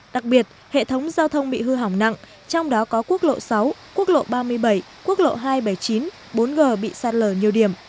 đặc biệt hệ thống giao thông bị hư hỏng nặng trong đó có quốc lộ sáu quốc lộ ba mươi bảy quốc lộ hai trăm bảy mươi chín bốn g bị sạt lở nhiều điểm